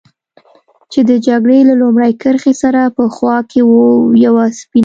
چې د جګړې له لومړۍ کرښې سره په خوا کې و، یوه سپینه.